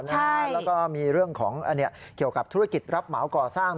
แล้วก็มีเรื่องของเกี่ยวกับธุรกิจรับเหมาก่อสร้าง